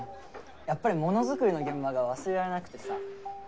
やっぱりものづくりの現場が忘れられなくてさ。